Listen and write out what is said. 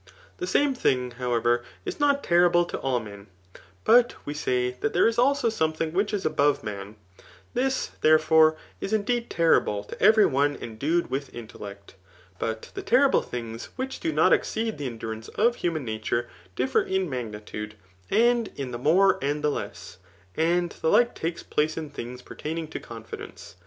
The same thing, however, is not terrible to all men ; but we say that there is also something which is above BDOik ;' this, therefore, is indeed terrible to every one en dued with intellect. But the terrible things Vhich do not exceed the aidurance of human nature, differ in ntgnitude, and in the nx^e and the less. And the like takes place in things pertaining to confidence.